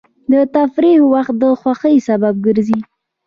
د تفریح وخت د خوښۍ سبب ګرځي.